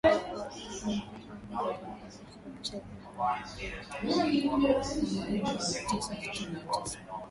Zina mzozo wa muda mrefu ambao ulisababisha vifo vya maelfu ya watu mwaka elfu moja mia tisa tisini na tisa na mwaka elfu mbili na tatu